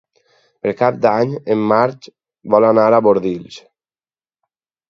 Per Cap d'Any en Max vol anar a Bordils.